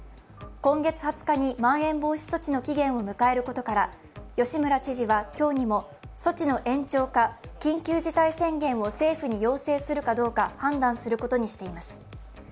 今月２０日にまん延防止等重点措置の期限を迎えることから吉村知事は今日にも措置の延長か緊急事態宣言を政府に要請するかどうか判断することにしています。